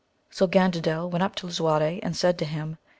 So Gandandel went up to Lisuarte and said to him.